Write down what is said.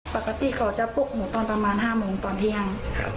ปกติเขาจะปลุกหนูตอนประมาณ๕โมงตอนเที่ยง